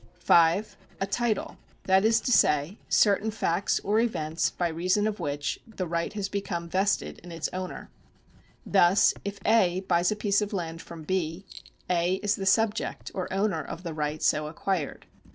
(5) A title : that is to say, certain facts or events by reason of which the right has become vested in its owner. Thus if A. buys a piece of land from B., A. is the subject or owner of the right so acquired.